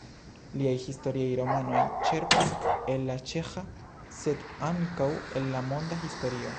Liaj historiaj romanoj ĉerpas el la ĉeĥa, sed ankaŭ el la monda historio.